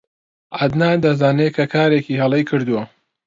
عەدنان دەزانێت کە کارێکی هەڵەی کردووە.